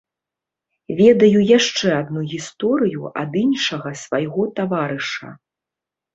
Ведаю яшчэ адну гісторыю ад іншага свайго таварыша.